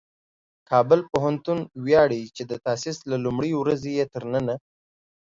کابل پوهنتون ویاړي چې د تاسیس له لومړۍ ورځې یې تر ننه